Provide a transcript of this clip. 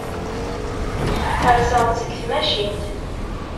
Rseɣ-d seg tmacint.